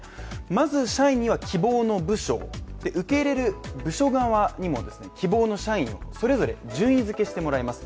まず、社員には希望の部署受け入れる部署側にも希望の社員をそれぞれ順位づけしてもらいます